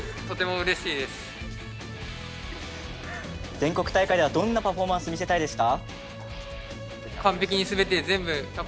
全国大会ではどんなパフォーマンス見せたいですか？